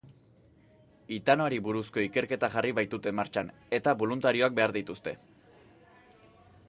Hitanoari buruzko ikerketa jarri baitute martxan, eta boluntarioak behar dituzte.